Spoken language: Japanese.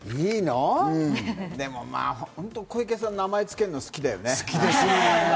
でも小池さん、ほんとに名前つけるの好きだよね。